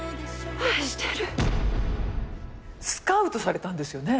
「愛してる」スカウトされたんですよね？